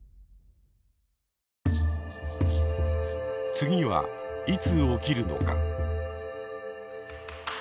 次はいつ起きるのか。